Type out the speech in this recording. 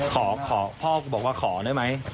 ขอพ่อบอกว่าขอได้ไหม